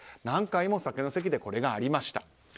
何回も酒の席でこれがありました。